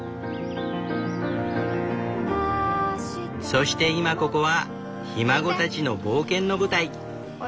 そして今ここはひ孫たちの冒険の舞台。